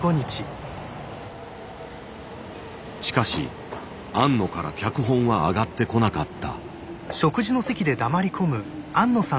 しかし庵野から脚本は上がってこなかった。